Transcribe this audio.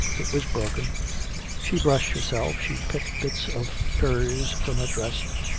It was broken. She brushed herself, she picked bits of furze from her dress.